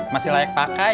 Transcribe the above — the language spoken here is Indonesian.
masih layak pakai